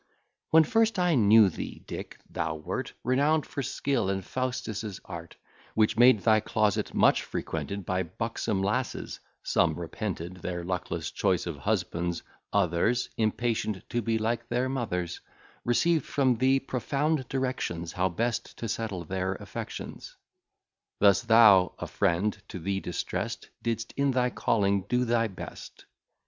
" When first I knew thee, Dick, thou wert Renown'd for skill in Faustus' art; Which made thy closet much frequented By buxom lasses some repented Their luckless choice of husbands others Impatient to be like their mothers, Received from thee profound directions How best to settle their affections. Thus thou, a friend to the distress'd, Didst in thy calling do thy best.